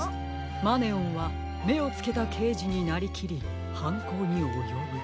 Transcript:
「マネオンはめをつけたけいじになりきりはんこうにおよぶ」。